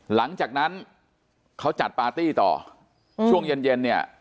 หลังจากนั้นเขาจัดปาร์ตี้ต่อช่วงเย็นเย็นเนี่ย